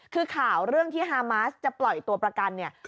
คือข่าวเรื่องที่ฮามาสจะปล่อยตัวประกันเนี่ย